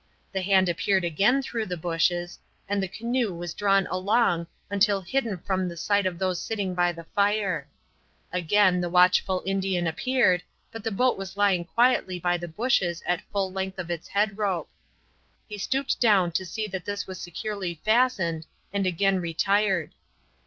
The hand appeared again through the bushes, and the canoe was drawn along until hidden from the sight of those sitting by the fire. Again the watchful Indian appeared, but the boat was lying quietly by the bushes at the full length of its head rope. He stooped down to see that this was securely fastened and again retired.